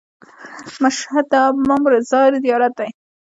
مشهد د امام رضا زیارت دی.